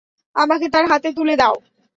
আমাকে তার হাতে তুলে দাও।